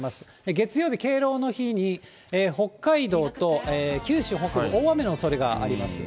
月曜日、敬老の日に北海道と九州北部、大雨のおそれがあります。